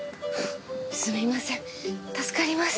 すみません助かります。